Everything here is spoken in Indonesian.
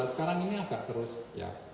sekarang ini agak terus ya